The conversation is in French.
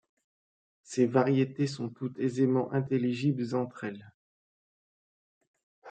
Ces variétés sont toutes aisément intelligibles entre elles.